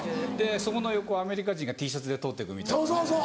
そこの横をアメリカ人がＴシャツで通ってくみたいなね。